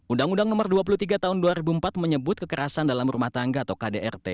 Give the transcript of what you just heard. undang undang nomor dua puluh tiga tahun dua ribu empat menyebut kekerasan dalam rumah tangga atau kdrt